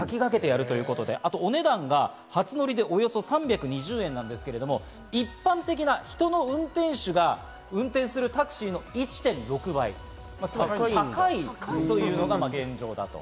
けど中国がやったということなんお値段が初乗りで３２０円なんですけれども、一般的な人の運転手が運転するタクシーの１．６倍高いというのが現状だと。